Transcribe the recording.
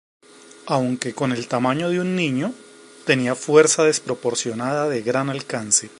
Aunque con el tamaño de un niño, tenía fuerza desproporcionada de gran alcance.